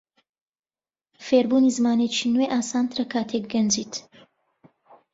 فێربوونی زمانێکی نوێ ئاسانترە کاتێک گەنجیت.